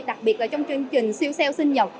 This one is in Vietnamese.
đặc biệt là trong chương trình siêu xeo sinh nhật